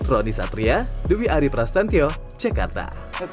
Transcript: rodi satria dewi ari prasetyo jakarta